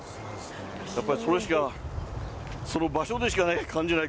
やっぱりそれしか、その場所でしか感じない